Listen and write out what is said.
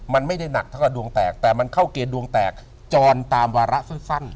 มันไม่ได้หนักเท่ากับดวงแตกแต่มันเข้าเกณฑ์ดวงแตกจรตามวาระสั้น